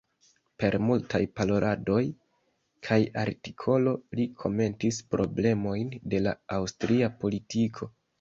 Per multaj paroladoj kaj artikolo li komentis problemojn de la aŭstria politiko.